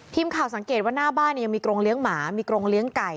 ทีมข่าวสังเกตว่าหน้าบ้านยังมีกรงเลี้ยงหมามีกรงเลี้ยงไก่